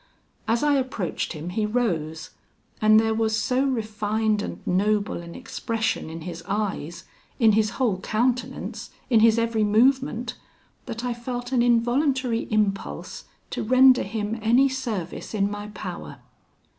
As I approached him he rose, and there was so refined and noble an expression in his eyes, in his whole countenance, in his every movement, that I felt an involuntary impulse to render him any service in my power.